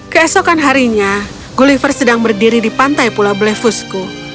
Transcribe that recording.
keesokan harinya gulliver sedang berdiri di pantai pulau blefusku